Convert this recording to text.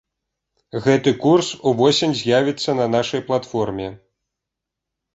Гэты курс увосень з'явіцца на нашай платформе!